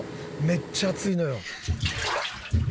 めっちゃ熱いのよ。